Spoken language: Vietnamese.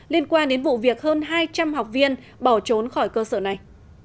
liên quan đến vụ việc hơn hai trăm linh học viên bỏ trốn khỏi cơ sở này